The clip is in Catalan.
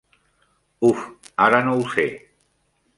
Uf, ara no ho sé.